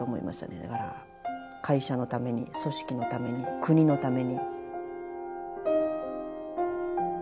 だから会社のために組織のために国のために。